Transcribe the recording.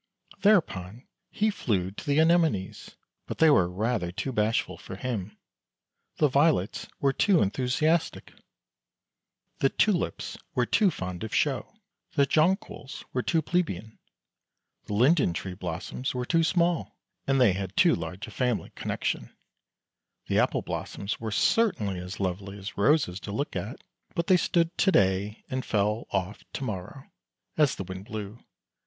There upon he flew to the Anemones, but they were rather too bashful for him; the Violets were too enthusiastic; the Tulips were too fond of show; the Jonquils were too plebeian; the Linden tree ioz ANDERSEN'S FAIRY TALES blossoms were too small, and they had too large a family con nection; the Apple blossoms were certainly as lovely as Roses to look at, but they stood to day and fell off to morrow, as the wind blew.